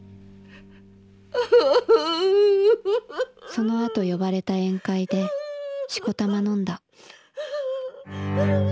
「そのあと呼ばれた宴会でしこたま飲んだ」。